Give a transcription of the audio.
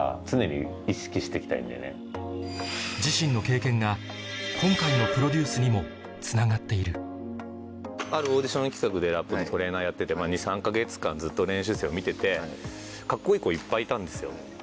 これが一番。が今回のプロデュースにもつながっているあるオーディション企画でラップのトレーナーやってて２３か月間ずっと練習生を見ててカッコいい子いっぱいいたんですよ。